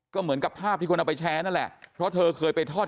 ก็เหมือนกับภาพที่คนเอาไปแชร์นั่นแหละเพราะเธอเคยไปทอด